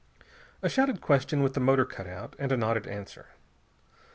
A shouted question with the motor cut out, and a nodded answer.